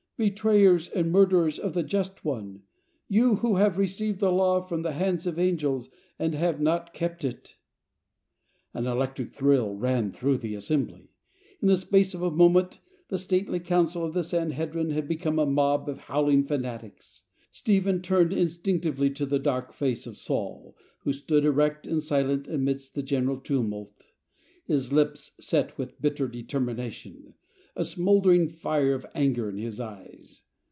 Betrayers and murderers of the Just One, you who have received the Law from the hands of angels, and have not kept it." An electric thrill ran through the assembly. In the space of a moment the stately council of the Sanhedrin had become a mob of howling fanatics. Stephen turned instinct ively to the dark face of Saul, who stood erect and silent amidst the general tumult, his lips set with bitter determination, a smouldering fire of anger in his eyes.